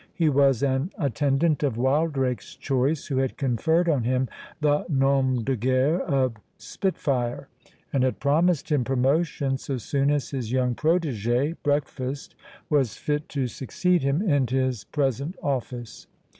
He was an attendant of Wildrake's choice, who had conferred on him the nom de guerre of Spitfire, and had promised him promotion so soon as his young protegé, Breakfast, was fit to succeed him in his present office.